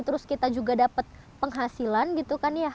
terus kita juga dapat penghasilan gitu kan ya